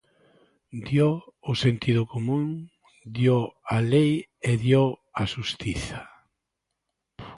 Dio o sentido común, dio a lei e dio a xustiza.